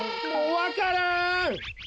わからん！